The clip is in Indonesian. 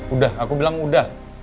udah aku bilang udah